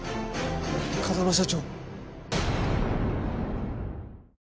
風間社長。